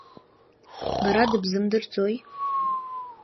Бара дыбзымдырӡои?